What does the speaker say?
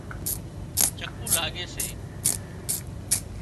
چڪُولاڳي سي